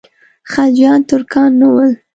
خلجیان ترکان نه ول.